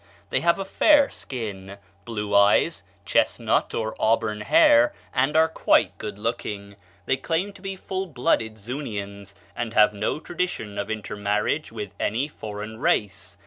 They have a fair skin, blue eyes, chestnut or auburn hair, and are quite good looking. They claim to be full blooded Zunians, and have no tradition of intermarriage with any foreign race.